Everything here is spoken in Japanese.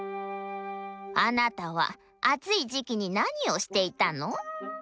「あなたは暑い時季に何をしていたの？」。